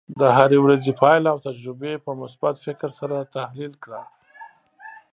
د هرې ورځې پایله او تجربې په مثبت فکر سره تحلیل کړه.